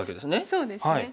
そうですね。